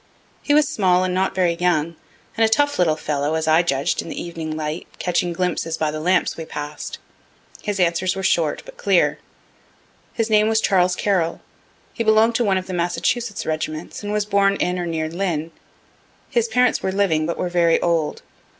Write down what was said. He was small and not very young, and a tough little fellow, as I judged in the evening light, catching glimpses by the lamps we pass'd. His answers were short, but clear. His name was Charles Carroll; he belong'd to one of the Massachusetts regiments, and was born in or near Lynn. His parents were living, but were very old.